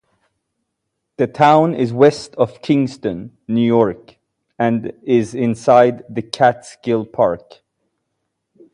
The town is west of Kingston, New York and is inside the Catskill Park.